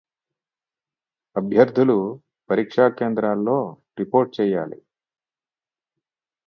అభ్యర్థులు పరీక్ష కేంద్రాల్లో రిపోర్ట్ చేయాలి